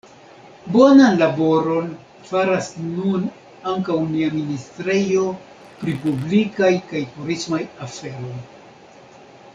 Bonan laboron faras nun ankaŭ nia ministrejo pri publikaj kaj turismaj aferoj.